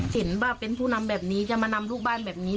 เห็นว่าเป็นผู้นำแบบนี้จะมานำลูกบ้านแบบนี้